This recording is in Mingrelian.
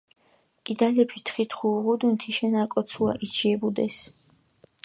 კიდალეფი თხითხუ უღუდუნ თიშენ აკოცუა, იჩიებუდეს.